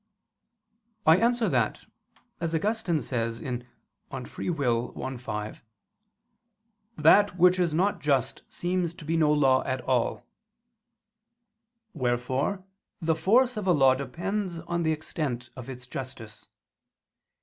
I answer that, As Augustine says (De Lib. Arb. i, 5) "that which is not just seems to be no law at all": wherefore the force of a law depends on the extent of its justice.